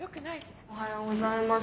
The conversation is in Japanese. おはようございます。